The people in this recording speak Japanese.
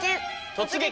「突撃！